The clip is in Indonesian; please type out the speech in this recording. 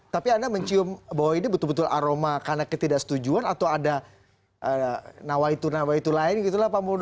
tapi anda mencium bahwa ini betul betul aroma karena ketidaksetujuan atau ada nawaitu nawaitu lain gitu lah pak muldo